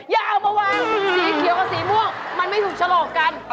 อย่าเอามาวางสีเขียวกับสีม่วงมันไม่ถูกฉลอกกัน